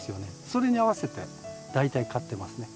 それに合わせて大体刈ってますね。